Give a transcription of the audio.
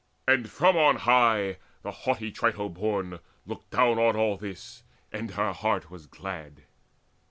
And from on high the haughty Trito born Looked down on all this, and her heart was glad.